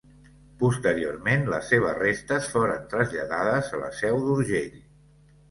Posteriorment, les seves restes foren traslladades a La Seu d'Urgell.